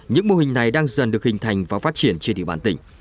những mô hình này đang dần được hình thành và phát triển trên địa bàn tỉnh